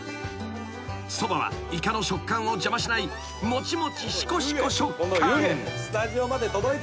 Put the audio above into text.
［そばはイカの食感を邪魔しないもちもちしこしこ食感］